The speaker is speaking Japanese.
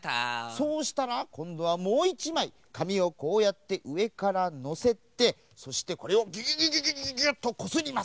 そうしたらこんどはもう１まいかみをこうやってうえからのせてそしてこれをギュギュギュギュギュギュギュッとこすります。